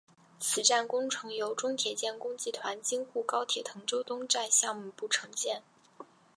此站工程由中铁建工集团京沪高铁滕州东站项目部承建。